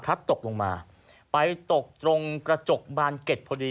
ตกลงมาไปตกตรงกระจกบานเก็ตพอดี